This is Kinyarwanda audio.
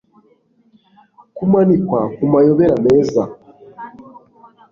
kumanikwa ku mayobera meza